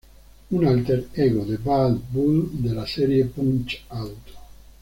Un alter ego de Bald Bull de la serie Punch-Out!!